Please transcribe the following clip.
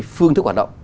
phương thức hoạt động